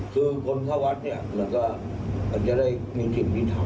คือคนเข้าวัดเนี่ยก็จะได้มีที่พี่ขาว